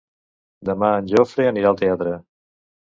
Demà en Jofre anirà al teatre.